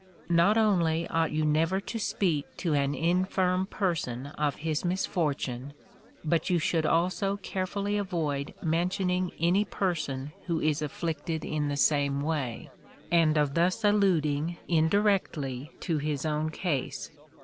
Not only ought you never to speak to an infirm person of his misfortune, but you should also carefully avoid mentioning any person who is afflicted in the same way, and of thus alluding indirectly to his own case.